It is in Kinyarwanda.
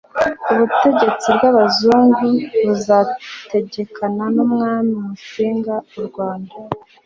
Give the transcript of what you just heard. ubutegetsi bw’abazungu buzategekana n’umwami musinga u rwanda